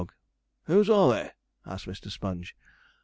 'Whose are they?' asked Mr. Sponge.